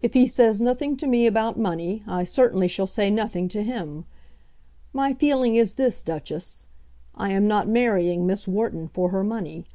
If he says nothing to me about money, I certainly shall say nothing to him. My feeling is this, Duchess; I am not marrying Miss Wharton for her money.